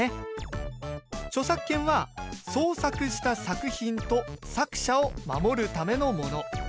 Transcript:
著作権は創作した作品と作者を守るためのもの。